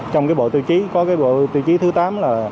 trong cái bộ tiêu chí có cái bộ tiêu chí thứ tám là